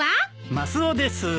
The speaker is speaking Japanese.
マスオです。